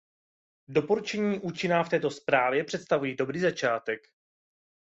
Doporučení učiněná v této zprávě představují dobrý začátek.